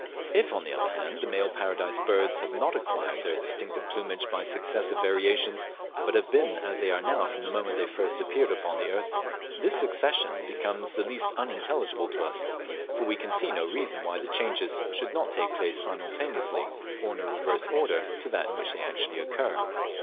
If, on the other hand, the male Paradise Birds have not acquired their distinctive plumage by successive variations, but have been as they are mow from the moment they first appeared upon the earth, this succession becomes at the least unintelligible to us, for we can see no reason why the changes should not take place simultaneously, or in a reverse order to that in which they actually occur.